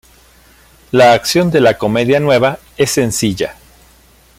La acción de "La comedia nueva" es sencilla.